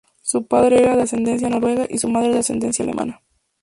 Su padre era de ascendencia noruega y su madre de ascendencia alemana.